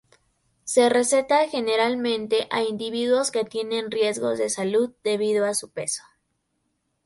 Se receta generalmente a individuos que tienen riesgos de salud debido a su peso.